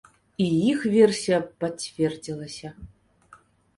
І іх версія пацвердзілася.